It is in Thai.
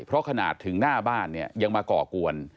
เพราะขนาดถึงหน้าบ้านเนี่ยยังมาก่อกวน